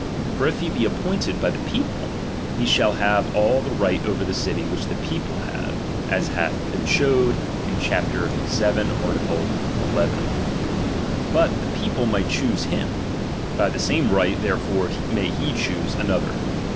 For if he be appointed by the people, be shall have all the right over the city which the people had, as hath been showed in chap. VII. art. II. But the people might choose him; by the same right therefore may he choose another.